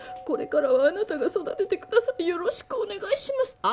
「これからはあなたが育てて下さい」「よろしくお願いします」